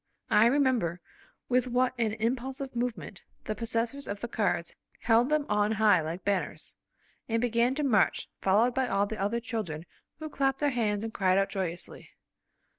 I remember with what an impulsive movement the possessors of the cards held them on high like banners, and began to march, followed by all the other children who clapped their hands and cried out joyously.